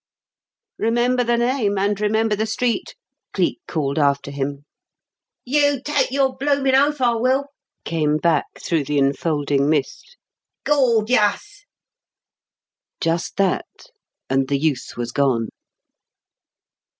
"Remember the name and remember the street," Cleek called after him. "You take your bloomin' oath I will!" came back through the enfolding mist; "Gawd, yuss!" Just that; and the youth was gone.